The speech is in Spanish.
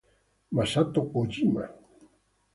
Masato Kojima